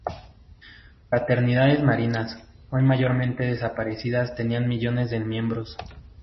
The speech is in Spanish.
Fraternidades marianas, hoy mayormente desaparecidas, tenían millones de miembros.